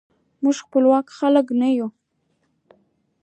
موږ خپواک خلک نه یو.